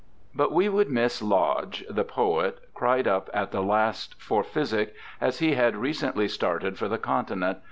But we would miss Lodge, the poet, ' cried up to the last for physic,' as he had recently started for the Continent.